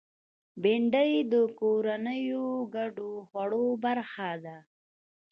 بېنډۍ د کورنیو ګډو خوړو برخه ده